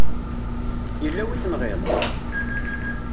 Yella wi tenɣiḍ?